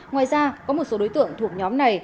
ngoài ra có một số đối tượng thuộc nhóm này